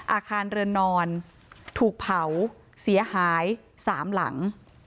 อาคารเรือนนอนถูกเผาเสียหาย๓หลัง